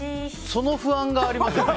その不安がありますよね。